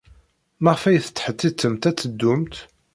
Maɣef ay tettḥettitemt ad teddumt?